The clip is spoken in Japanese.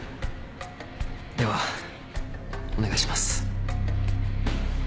ではお願いします。